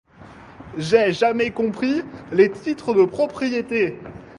J’ai jamais compris les titres de propriété.